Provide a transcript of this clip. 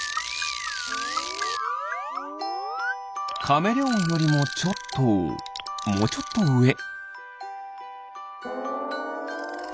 カメレオンよりもちょっともうちょっとうえ。